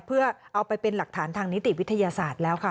เพื่อเอาไปเป็นหลักฐานทางนิติวิทยาศาสตร์แล้วค่ะ